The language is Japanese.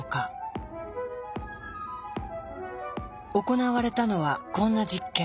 行われたのはこんな実験。